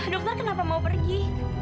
dokter kenapa mau pergi